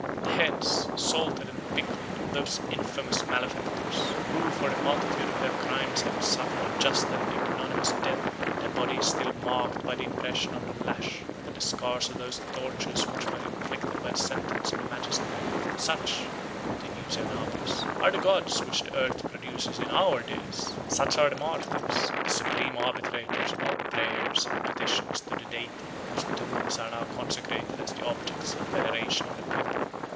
The heads, salted and pickled, of those infamous malefactors, who for the multitude of their crimes have suffered a just and ignominious death; their bodies still marked by the impression of the lash, and the scars of those tortures which were inflicted by the sentence of the magistrate; such" (continues Eunapius) "are the gods which the earth produces in our days; such are the martyrs, the supreme arbitrators of our prayers and petitions to the Deity, whose tombs are now consecrated as the objects of the veneration of the people."